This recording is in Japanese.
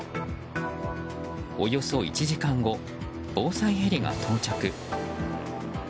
およそ１時間後防災ヘリが到着。